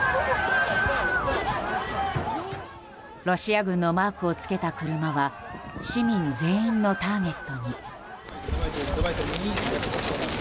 ロシア軍のマークを付けた車は市民全員のターゲットに。